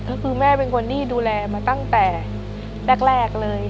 ก็คือแม่เป็นคนที่ดูแลมาตั้งแต่แรกเลย